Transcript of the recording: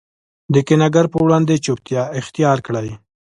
د کینه ګر په وړاندي چوپتیا اختیارکړئ!